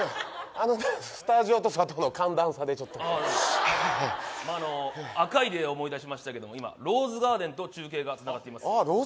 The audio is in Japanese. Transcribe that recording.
あのねスタジオと外の寒暖差でちょっとまああの「赤い」で思い出しましたけども今ローズガーデンと中継がつながっています